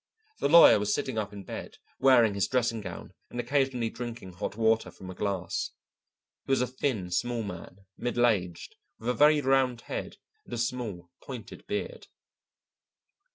The lawyer was sitting up in bed, wearing his dressing gown and occasionally drinking hot water from a glass. He was a thin, small man, middle aged, with a very round head and a small pointed beard.